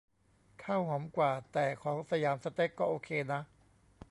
ข้าวหอมกว่า แต่ของสยามสเต็กก็โอเคนะ